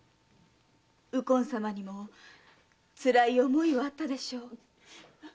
右近様にもつらい思いはあったでしょう。